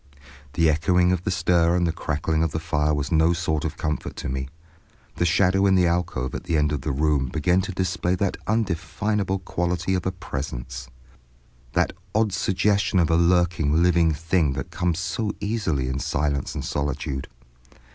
The echoing of the stir and crackling of the fire was no sort of comfort to me. The shadow in the alcove at the end of the room began to display that undefinable quality of a presence, that odd suggestion of a lurking living thing that comes so easily in silence and solitude.